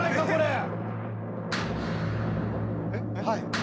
はい。